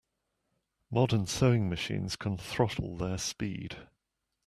Modern sewing machines can throttle their speed.